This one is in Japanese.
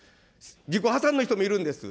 自己破産の人もいるんです。